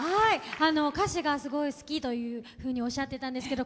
歌詞がすごい好きというふうにおっしゃってたんですけど